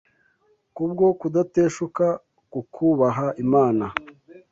Kubwo kudateshuka ku kubaha Imana